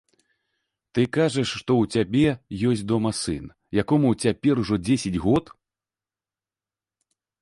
Ты кажаш, што ў цябе ёсць дома сын, якому цяпер ужо дзесяць год?